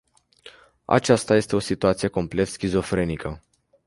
Aceasta este o situație complet schizofrenică.